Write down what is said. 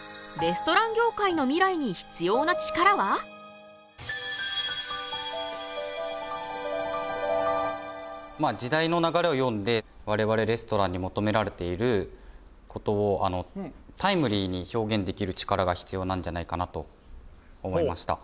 では時代の流れを読んで我々レストランに求められていることをタイムリーに表現できるチカラが必要なんじゃないかなと思いました。